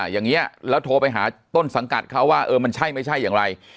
อย่างนี้แล้วโทรไปหาต้นสังกัดเขาว่าเออมันใช่ไม่ใช่อย่างไร